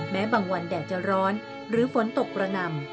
แม้บางวันแดดจะร้อนหรือฝนตกระนำ